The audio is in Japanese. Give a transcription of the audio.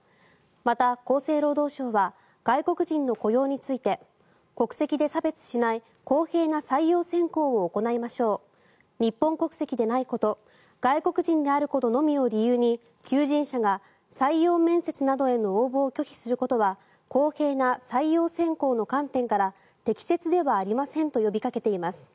また、厚生労働省は外国人の雇用について国籍で差別しない公平な採用選考を行いましょう日本国籍でないこと外国人であることのみを理由に求人者が採用面接などへの応募を拒否することは公平な採用選考の観点から適切ではありませんと呼びかけています。